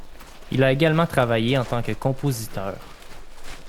Il a également travaillé en tant que compositeur.